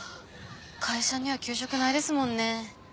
会社には給食ないですもんね。